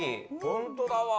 ホントだわ。